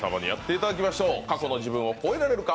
過去の自分を超えられるか！